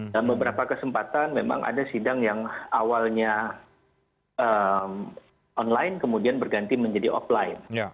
dalam beberapa kesempatan memang ada sidang yang awalnya online kemudian berganti menjadi offline